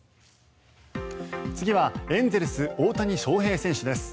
次はエンゼルス大谷翔平選手です。